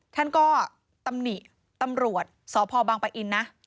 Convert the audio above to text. ท่านก็ตำหนิตำรวจสพบังปะอินนะ